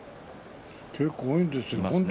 結構、多いんですよね。